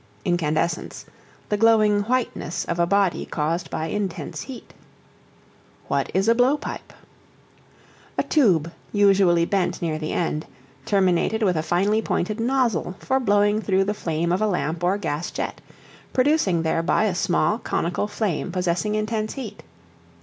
Incandescence, the glowing whiteness of a body caused by intense heat. What is a Blowpipe? A tube, usually bent near the end, terminated with a finely pointed nozzle, for blowing through the flame of a lamp or gas jet, producing thereby a small conical flame possessing intense heat.